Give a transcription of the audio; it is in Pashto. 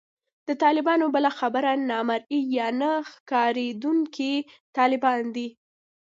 د طالبانو بله برخه نامرئي یا نه ښکارېدونکي طالبان دي